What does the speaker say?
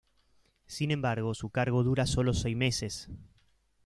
Sin embargo, su cargo dura solo seis meses.